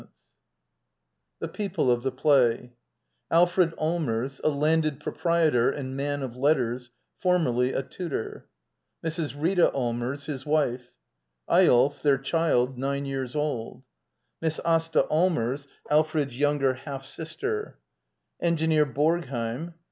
XXX? Digitized by VjOOQIC THE PEOPLE OF THE PLAY Alfred Allmers, a landed proprietor and man of letters, formerly a tutor. Mrs. Rita Allmers, his wife. Eyolf, their child, nine years old. Miss Asta Allmers, Alfred's younger half sister. Engineer Borgheim.